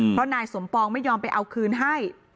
เพราะนายสมปองไม่ยอมไปเอาคืนให้